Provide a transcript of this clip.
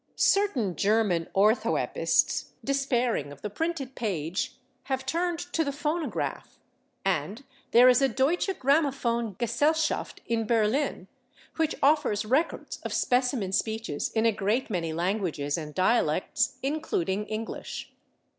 " Certain German orthoepists, despairing of the printed page, have turned to the phonograph, and there is a Deutsche Grammophon Gesellschaft in Berlin which offers records of specimen speeches in a great many languages and dialects, including English.